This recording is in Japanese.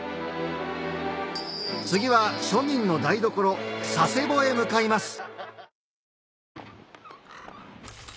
次は庶民の台所佐世保へ向かいます